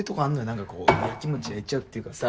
何かこうやきもちやいちゃうっていうかさ